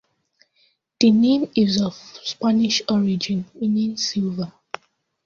The name is of Spanish origin meaning "Silver".